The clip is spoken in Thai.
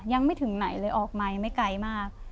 ยังไม่ถึงไหนเลยออกไมค์ไม่ไกลมาก